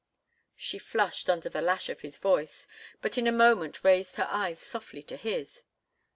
She flushed under the lash of his voice, but in a moment raised her eyes softly to his.